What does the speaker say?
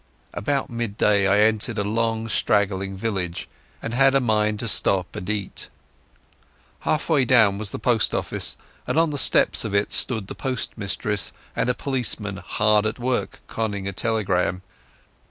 About midday I entered a long straggling village, and had a mind to stop and eat. Half way down was the Post Office, and on the steps of it stood the postmistress and a policeman hard at work conning a telegram.